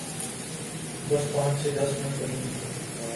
بس پانچھ سے دس منٹ لگئیں گے۔